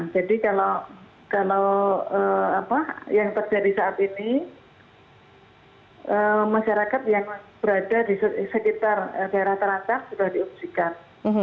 jadi kalau yang terjadi saat ini masyarakat yang berada di sekitar daerah terangkat sudah diupsikan